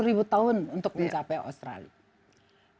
sepuluh ribu tahun untuk mencapai australia